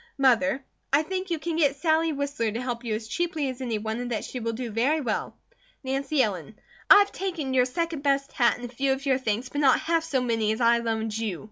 Mother: I think you can get Sally Whistler to help you as cheaply as any one and that she will do very well. Nancy Ellen: I have taken your second best hat and a few of your things, but not half so many as I loaned you.